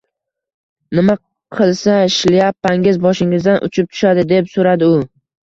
— Nima qilsa, shlyapangiz boshingizdan uchib tushadi? — deb so‘radi u.